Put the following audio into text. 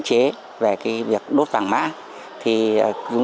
trong quá trình lắp đặt điện